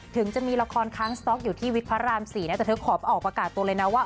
ถึงจะมีละครค้างสต๊อกอยู่ที่วิกพระราม๔นะแต่เธอขอออกประกาศตัวเลยนะว่า